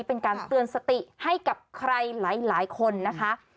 เป็นการเตือนสติให้กับใครหลายคนนะคะ